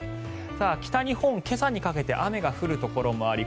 北日本、今朝にかけて雨が降るところもあり